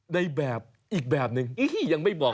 ในแบบอีกแบบนึงยังไม่บอก